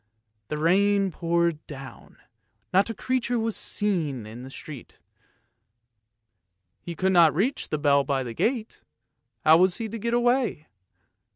The rain poured down, not a creature was to be seen in the street. He could not reach the bell by the gate; how was he to get away.